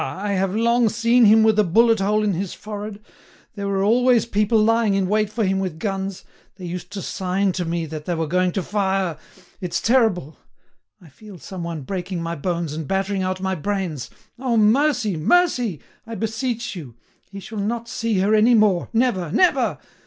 I have long seen him with a bullet hole in his forehead. There were always people lying in wait for him with guns. They used to sign to me that they were going to fire. ... It's terrible! I feel some one breaking my bones and battering out my brains. Oh! Mercy! Mercy! I beseech you; he shall not see her any more—never, never!